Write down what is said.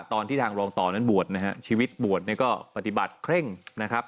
ตอนที่ทางรองต่อนั้นบวชนะฮะชีวิตบวชเนี่ยก็ปฏิบัติเคร่งนะครับ